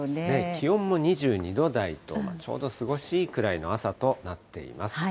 気温も２２度台と、ちょうど涼しいくらいの朝となっています。